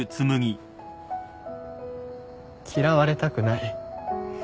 嫌われたくない。